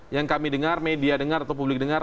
yang kami dengar media dengar atau publik dengar